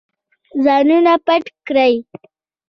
ځانونه پټ کړئ.